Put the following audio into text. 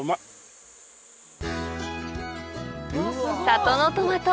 里のトマト